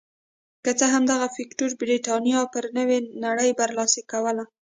که څه هم دغه فکټور برېتانیا پر نورې نړۍ برلاسې کوله.